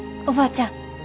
おばあちゃん。